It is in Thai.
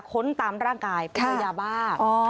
ค้นตามร่างกายไปเจอยาบ้า